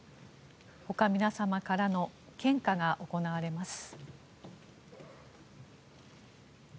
ほか皆様からの献花が行われます。